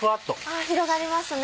あ広がりますね。